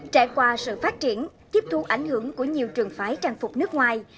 trải qua sự phát triển tiếp thu ảnh hưởng của nhiều trường phái trang phục nước ngoài